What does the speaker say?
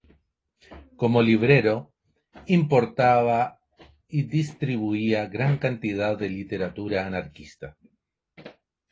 Como librero, importaba y distribuía gran cantidad de literatura anarquista.